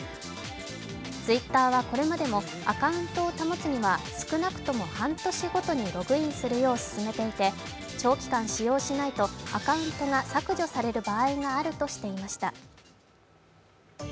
Ｔｗｉｔｔｅｒはこれまでもアカウントを保つには少なくとも半年ごとにログインするよう勧めていて、長期間使用しないと、アカウントが削除される場合があるとしていました。